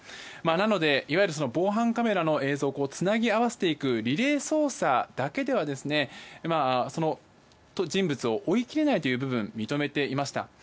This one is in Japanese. なので、いわゆる防犯カメラの映像をつなぎ合わせていくリレー捜査だけではその人物を追い切れないという部分を認めていました。